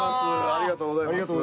ありがとうございます。